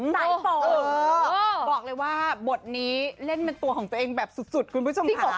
สายฝนบอกเลยว่าบทนี้เล่นเป็นตัวของตัวเอง